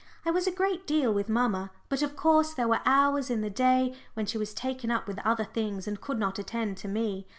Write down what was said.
I was a great deal with mamma, but of course there were hours in the day when she was taken up with other things and could not attend to me.